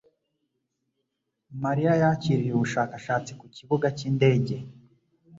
Mariya yakiriye ubushakashatsi ku kibuga cyindege.